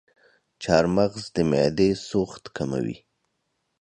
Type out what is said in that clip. چارمغز د معدې سوخت کموي.